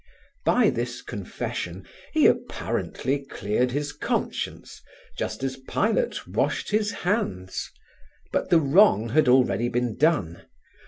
By this confession he apparently cleared his conscience just as Pilate washed his hands. But the wrong had already been done.